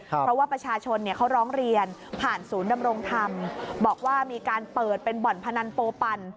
เพราะว่าประชาชนเขาร้องเรียนผ่านศูนย์ดำรงธรรมบอกว่ามีการเปิดเป็นบ่อนพนันโปปั่น